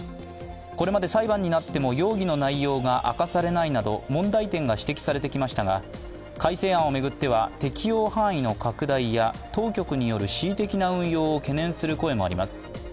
これまで裁判になっても容疑の内容が明かされないなど問題点が指摘されてきましたが、改正案を巡っては適用範囲の拡大や当局による恣意的な運用を懸念する声もあります。